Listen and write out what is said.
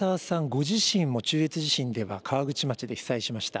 ご自身も、中越地震では川口町で被災しました。